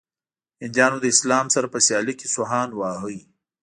هنديانو له اسلام اباد سره په سيالۍ کې سوهان واهه.